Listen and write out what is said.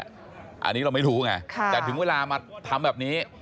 อันนี้เราไม่รู้ไงแต่ถึงเวลามาทำแบบนี้